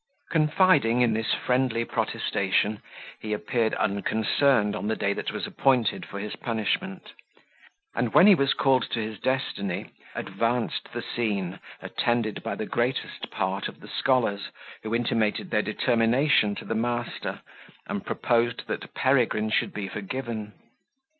Confiding in this friendly protestation, he appeared unconcerned on the day that was appointed for his punishment; and when he was called to his destiny, advanced the scene, attended by the greatest part of the scholars, who intimated their determination to the master, and proposed that Peregrine should be forgiven.